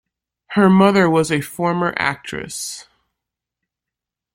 Her mother was a former actress.